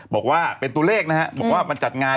บอกว่าเป็นตัวเลขนะฮะบอกว่ามันจัดงาน